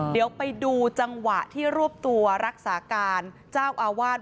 เดี๋ยวไปดูจังหวะที่รวบตัวรักษาการเจ้าอาวาส